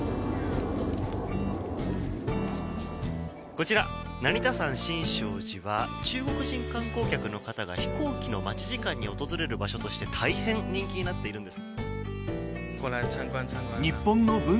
こちら成田山新勝寺は中国人観光客の方が飛行機の待ち時間に訪れる場所として大変人気になっているんです。